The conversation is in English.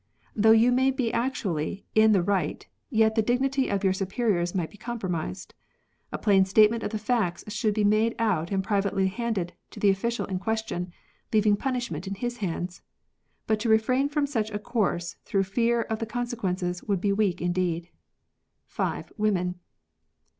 Though you may be actually in the right, yet the dignity of your superiors might be compromised. A plain statement of the facts should be made out and privately handed to the official in question, leaving punishment in his hands. But to refrain from such a course through fear of the consequences would be weak indeed.] (5.) Women.